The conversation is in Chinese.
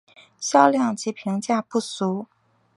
销量及评价不俗。